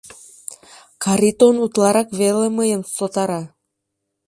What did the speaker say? — Каритон утларак веле мыйым сотара.